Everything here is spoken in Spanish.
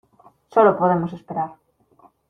solo podemos esperar.